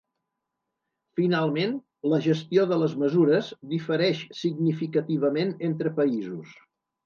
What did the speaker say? Finalment, la gestió de les mesures difereix significativament entre països.